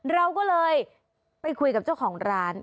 เราก็เลยไปคุยกับเจ้าของร้าน